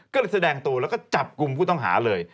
ก็เลยแสดงตัวแล้วก็จับกลุ่มผู้ต้องหาเลย